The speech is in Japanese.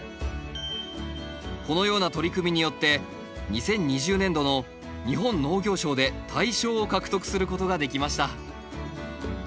このような取り組みによって２０２０年度の日本農業賞で大賞を獲得することができました。